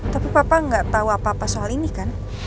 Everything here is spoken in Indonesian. tapi papa gak tau apa apa soal ini kan